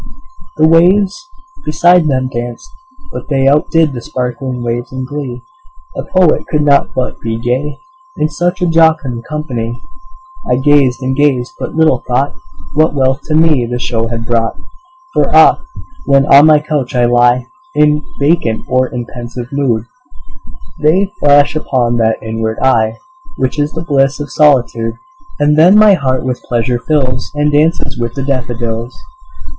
The waves beside them danced; but they Outdid the sparkling waves in glee; A poet could not but be gay, In such a jocund company; I gazed and gazed but little thought What wealth to me the show had brought: For oft, when on my couch I lie In vacant or in pensive mood, They flash upon that inward eye Which is the bliss of solitude; And then my heart with pleasure fills, And dances with the daffodils.